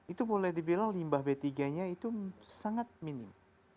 itu boleh dibilang limbah b tiga nya itu sangat minim